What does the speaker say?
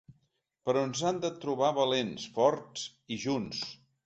Però ens han de trobar valents, forts i junts!